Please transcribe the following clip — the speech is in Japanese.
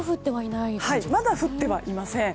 まだ降ってはいません。